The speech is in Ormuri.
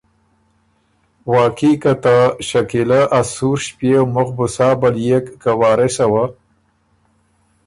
واقعي که ته شکیله ا سُوڒ ݭپيېو مُخ بُو سا بلئېک که وارثه وه